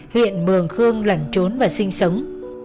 huyện mường khương lẩn trốn và sinh sống